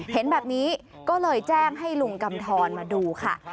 เห็นแบบนี้ก็เลยแจ้งให้ลุงกำทรมาดูค่ะ